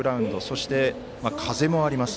そして風もあります。